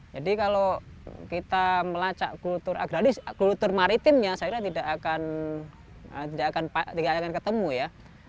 jadi kalau kita melacak kultur agraris kultur maritimnya saya kira tidak akan ketemu ya